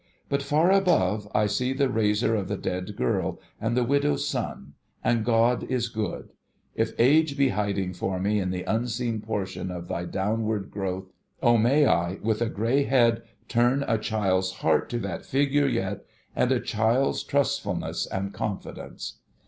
But, far above, I sec the raiser of the dead girl, and the ^\'idow's Son ; and God is good ! If Age be hiding for me in the unseen portion of thy down ward growth, O may I, with a grey head, turn a child's heart to that figure yet, and a child's trustfulness and confidence